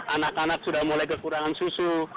anak anak sudah mulai kekurangan susu